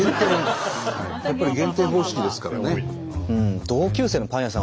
やっぱり減点方式ですからね。